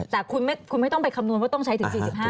แต่คุณไม่ต้องไปคำนวณว่าต้องใช้ถึง๔๕